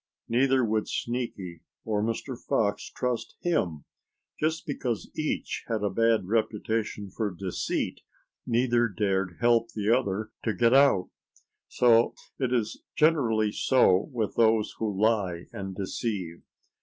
Neither would Sneaky or Mr. Fox trust him. Just because each had a bad reputation for deceit, neither dared help the other to get out. It is generally so with those who lie and deceive.